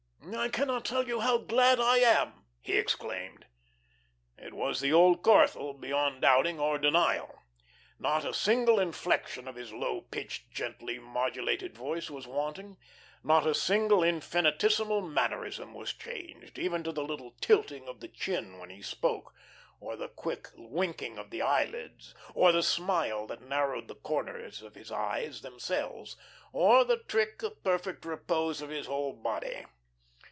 "I cannot tell you how glad I am," he exclaimed. It was the old Corthell beyond doubting or denial. Not a single inflection of his low pitched, gently modulated voice was wanting; not a single infinitesimal mannerism was changed, even to the little tilting of the chin when he spoke, or the quick winking of the eyelids, or the smile that narrowed the corners of the eyes themselves, or the trick of perfect repose of his whole body.